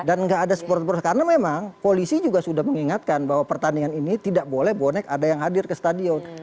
dan gak ada supporter supporter karena memang polisi juga sudah mengingatkan bahwa pertandingan ini tidak boleh bonek ada yang hadir ke stadion